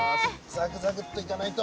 ザクザクッといかないと。